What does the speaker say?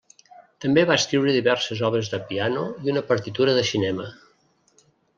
També va escriure diverses obres de piano i una partitura de cinema.